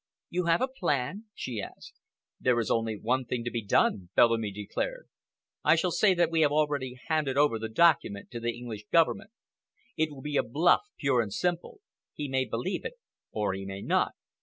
"You have a plan?" she asked. "There is only one thing to be done," Bellamy declared. "I shall say that we have already handed over the document to the English Government. It will be a bluff, pure and simple. He may believe it or he may not."